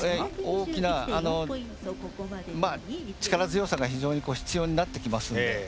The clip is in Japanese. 大きな、力強さが非常に必要になってきますので。